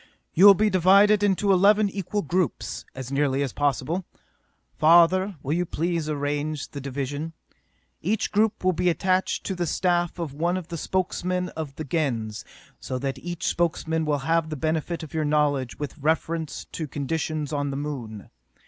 "You will be divided into eleven equal groups, as nearly as possible. Father, will you please arrange the division? Each group will be attached to the staff of one of the Spokesman of the Gens, so that each Spokesman will have the benefit of your knowledge with reference to conditions on the Moon.